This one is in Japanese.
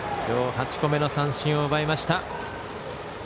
きょう８個目の三振を奪いました。